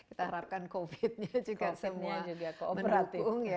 kita harapkan covid nya juga semua kooperatifung ya